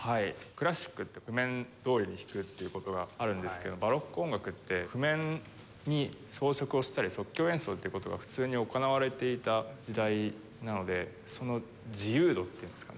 クラシックって譜面どおりに弾くっていう事があるんですけどバロック音楽って譜面に装飾をしたり即興演奏っていう事が普通に行われていた時代なのでその自由度っていうんですかね